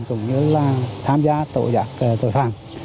cũng như là tham gia tội giặc tội phạm